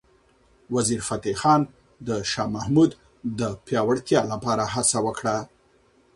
وزیرفتح خان د شاه محمود د پیاوړتیا لپاره هڅه وکړه.